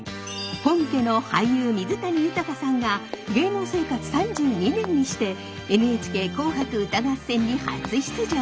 本家の俳優水谷豊さんが芸能生活３２年にして「ＮＨＫ紅白歌合戦」に初出場。